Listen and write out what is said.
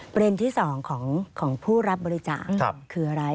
ประเด็นที่๒ของผู้รับบริจาคคืออะไร